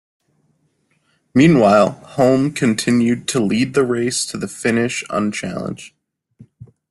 Meanwhile, Hulme continued to lead the race to the finish unchallenged.